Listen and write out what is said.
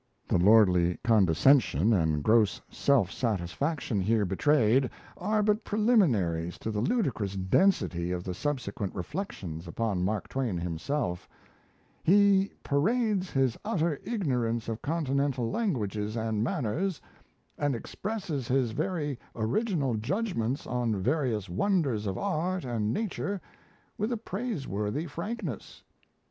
The lordly condescension and gross self satisfaction here betrayed are but preliminaries to the ludicrous density of the subsequent reflections upon Mark Twain himself: "He parades his utter ignorance of Continental languages and manners, and expresses his very original judgments on various wonders of art and nature with a praiseworthy frankness.